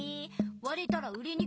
われたら売れにくい。